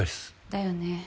だよね。